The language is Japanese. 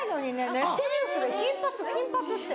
ネットニュースで「金髪金髪」って。